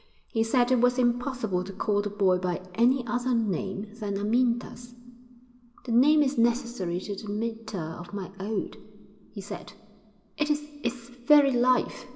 He said it was impossible to call the boy by any other name than Amyntas. 'The name is necessary to the metre of my ode,' he said. 'It is its very life.